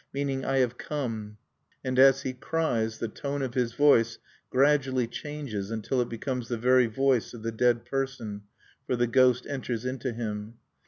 meaning, "I have come(1)." And, as he cries, the tone of his voice gradually changes until it becomes the very voice of the dead person, for the ghost enters into him.